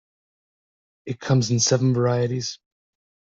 It comes in seven varieties.